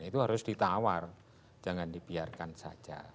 itu harus ditawar jangan dibiarkan saja